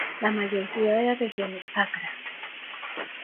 La mayor ciudad de la región es Acra.